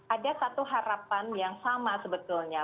ada satu harapan yang sama sebetulnya